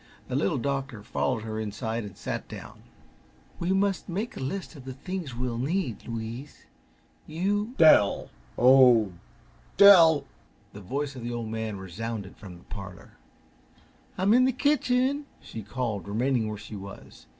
The Little Doctor followed her inside and sat down. "We must make a list of the things we'll need, Louise. You " "Dell! Oh h. Dell!" The voice of the Old Man resounded from the parlor. "I'm in the kitchen!" called she, remaining where she was.